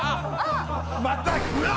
またうわっ！